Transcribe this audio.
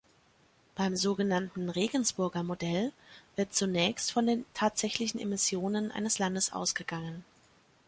Beim sogenannten „Regensburger Modell“ wird zunächst von den tatsächlichen Emissionen eines Landes ausgegangen.